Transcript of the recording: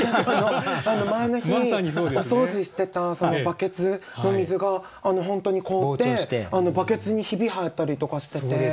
前の日お掃除してたバケツの水が本当に凍ってバケツにひび入ったりとかしてて。